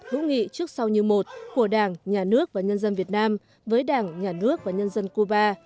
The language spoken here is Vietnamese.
hữu nghị trước sau như một của đảng nhà nước và nhân dân việt nam với đảng nhà nước và nhân dân cuba